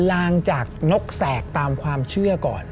ลางจากนกแสกตามความเชื่อก่อน